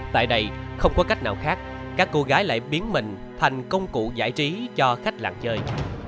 tại đây không có cách nào khác các cô gái lại biến mình thành công cụ giải trí cho khách lạc chơi